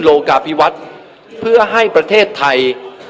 โลกาพิวัฒน์เพื่อให้ประเทศไทย